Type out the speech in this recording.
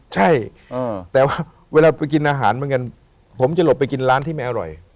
ใช่แต่ว่าเวลาไปกินอาหารเหมือนกันผมจะหลบไปกินร้านที่ไม่อร่อย